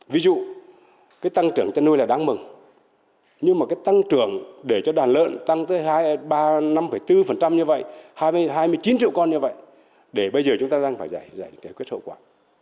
ví dụ cái tăng trưởng chăn nuôi là đáng mừng nhưng mà cái tăng trưởng để cho đàn lợn tăng tới năm bốn như vậy hai mươi chín triệu con như vậy để bây giờ chúng ta đang phải giải quyết sổ quả